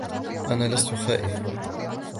أنا لست خائف.